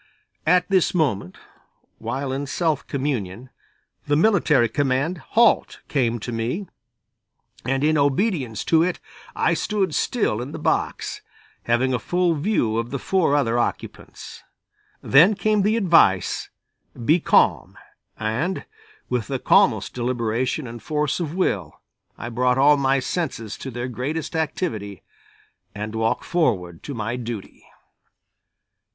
At this moment, while in self communion, the military command: "Halt!" came to me, and in obedience to it I stood still in the box, having a full view of the four other occupants. Then came the advice: "Be calm!" and with the calmest deliberation and force of will I brought all my senses to their greatest activity and walked forward to my duty.